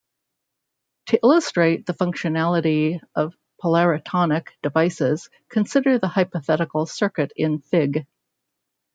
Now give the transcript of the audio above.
To illustrate the functionality of polaritonic devices, consider the hypothetical circuit in Fig.